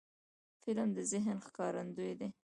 فلم د ذهن ښکارندوی دی